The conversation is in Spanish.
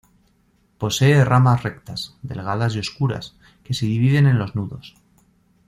Posee ramas rectas, delgadas y oscuras, que se dividen en los nudos.